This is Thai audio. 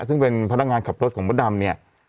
ซึ่งเป็นพนักงานขับรถของมดดำเนี่ย